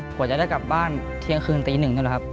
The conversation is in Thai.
กว่าจะได้กลับบ้านเที่ยงคืนตีหนึ่งนี่แหละครับ